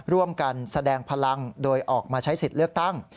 แสดงพลังโดยออกมาใช้สิทธิ์เลือกตั้ง